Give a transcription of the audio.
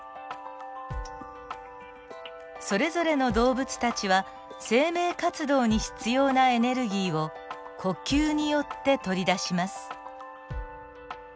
それぞれの動物たちは生命活動に必要なエネルギーを呼吸によって取り出します。